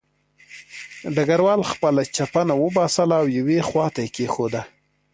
ډګروال خپله چپنه وباسله او یوې خوا ته یې کېښوده